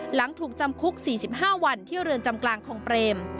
หลังถูกจำคุก๔๕วันที่เรือนจำกลางคลองเปรม